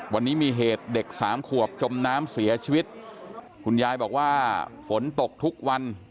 วันนี้มีเหตุเด็กสามขวบจมน้ำเสียชีวิตคุณยายบอกว่าฝนตกทุกวัน